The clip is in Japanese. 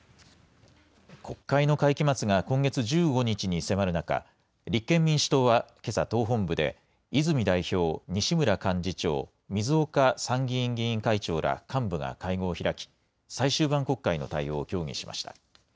国会の会期末が今月１５日に迫る中、立憲民主党はけさ、党本部で、泉代表、西村幹事長、水岡参議院議員会長ら幹部が会合を開き、最終盤国会の対応を協議しました。